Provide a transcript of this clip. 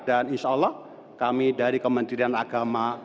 dan insyaallah kami dari kementerian agama